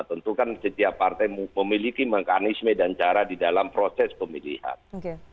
tentu kan setiap partai memiliki mekanisme dan cara di dalam proses pemilihan